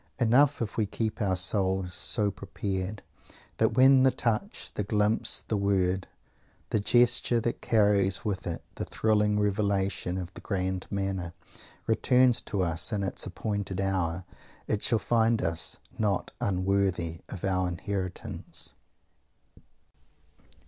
Enough if we keep our souls so prepared that when the touch, the glimpse, the word, the gesture, that carries with it the thrilling revelation of the "grand manner", returns to us in its appointed hour, it shall find us not unworthy of our inheritance.